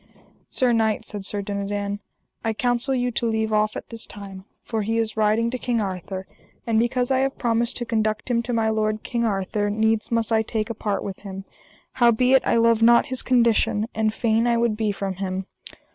Sir knight, said Sir Dinadan, I counsel you to leave off at this time, for he is riding to King Arthur; and because I have promised to conduct him to my lord King Arthur needs must I take a part with him; howbeit I love not his condition, and fain I would be from him.